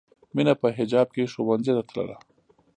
مینه په حجاب کې ښوونځي ته تله